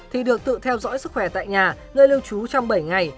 thì được tự theo dõi sức khỏe tại nhà nơi lưu trú trong bảy ngày